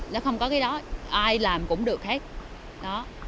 nó không có cái đó ai làm cũng được hết